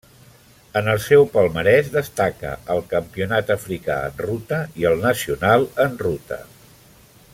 En el seu palmarès destaca el Campionat africà en ruta i el nacional en ruta.